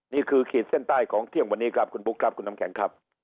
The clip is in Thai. ขีดเส้นใต้ของเที่ยงวันนี้ครับคุณบุ๊คครับคุณน้ำแข็งครับ